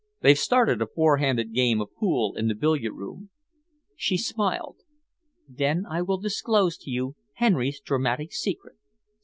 "They've started a four handed game of pool in the billiard room." She smiled. "Then I will disclose to you Henry's dramatic secret.